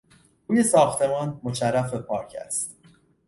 روی ساختمان مشرف به پارک است.